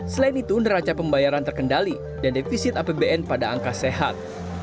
selain itu neraca pembayaran terkendali dan defisit apbn pada angka sehat